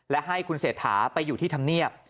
และให้คุณเศรษฐาไปอยู่ที่ธรรมเนียบ